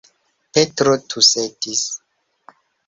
Petro tusetis.